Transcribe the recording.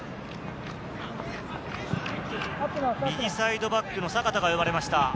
右サイドバックの坂田が呼ばれました。